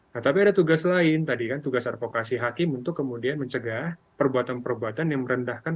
nah tapi ada tugas lain tadi kan tugas advokasi hakim untuk kemudian mencegah perbuatan perbuatan yang merendahkan